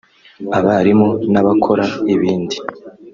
abarimu n’abakora ibindi